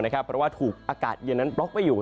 เพราะว่าถูกอากาศเย็นนั้นบล็อกไว้อยู่